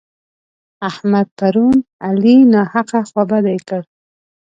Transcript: احمد پرون علي ناحقه خوابدی کړ.